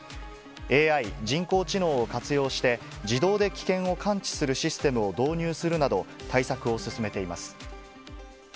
ＡＩ・人工知能を活用して、自動で危険を感知するシステムを導入するなど、対策を進めています。